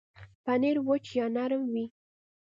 پنېر وچ یا نرم وي.